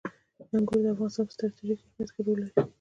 انګور د افغانستان په ستراتیژیک اهمیت کې رول لري.